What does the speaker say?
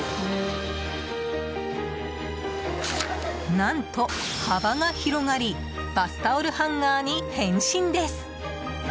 何と、幅が広がりバスタオルハンガーに変身です。